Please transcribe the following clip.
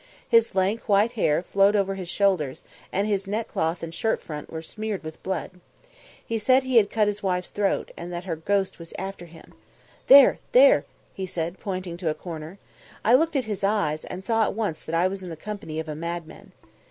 His lank white hair flowed over his shoulders, and his neckcloth and shirt front were smeared with blood. He said he had cut his wife's throat, and that her ghost was after him. "There, there!" he said, pointing to a corner. I looked at his eyes, and saw at once that I was in the company of a madman.